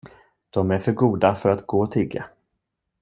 De är för goda för att gå och tigga.